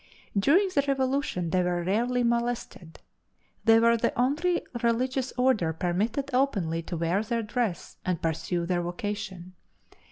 During the Revolution they were rarely molested. They were the only religious order permitted openly to wear their dress and pursue their vocation.